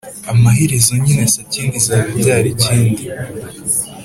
amaherezo nyine sakindi izaba ibyara ikindi"